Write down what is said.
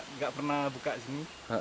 tidak pernah buka sini